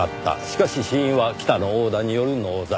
しかし死因は北の殴打による脳挫傷。